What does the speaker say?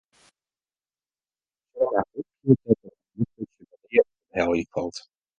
We sille mar hoopje dat der oan dit putsje wat eare te beheljen falt.